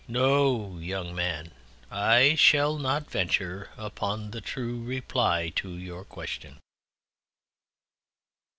No, Young Man, I shall not venture upon the true reply to your question."